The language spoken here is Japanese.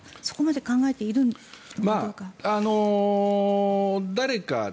そこまで考えているのかどうか。